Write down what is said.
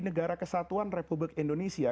negara kesatuan republik indonesia